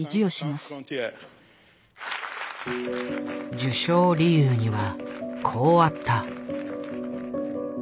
受賞理由にはこうあった。